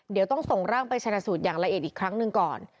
เดี๋ยวต้องส่งร่างไปชนะสูตรอย่างละเอียดอีกครั้งหนึ่งก่อน